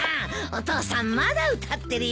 お父さんまだ歌ってるよ。